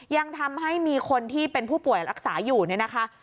ยังทำให้มีคนที่เป็นผู้ป่วยรักษาอยู่เนี่ยนะคะ